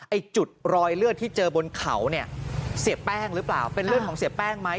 ไอ้จุดรอยเลือดที่เจอบนเขาเนี่ยเสียแป้งหรือเปล่าเป็นเลือดของเสียแป้งไหม